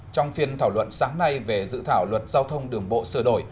trong phiên thảo luận sáng nay về dự thảo luật giao thông đường bộ sửa đổi